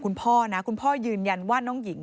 คุณพ่อนะคุณพ่อยืนยันว่าน้องหญิง